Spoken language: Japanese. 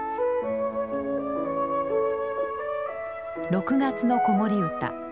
「６月の子守歌」。